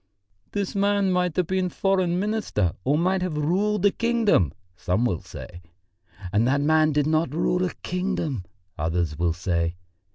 'This man might have been Foreign Minister or might have ruled a kingdom,' some will say. 'And that man did not rule a kingdom,' others will say.